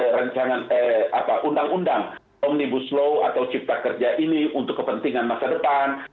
rencana undang undang omnibus law atau cipta kerja ini untuk kepentingan masa depan